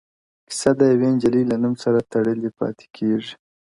کيسه د يوې نجلۍ له نوم سره تړلې پاتې کيږي-